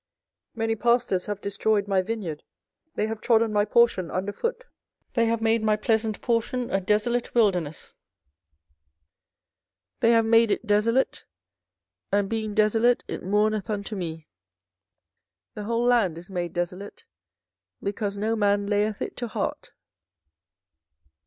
24:012:010 Many pastors have destroyed my vineyard, they have trodden my portion under foot, they have made my pleasant portion a desolate wilderness. 24:012:011 They have made it desolate, and being desolate it mourneth unto me; the whole land is made desolate, because no man layeth it to heart.